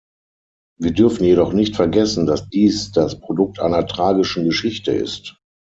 Wir dürfen jedoch nicht vergessen, dass dies das Produkt einer tragischen Geschichte ist.